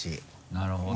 なるほど。